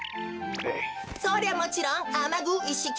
そりゃもちろんあまぐいっしき。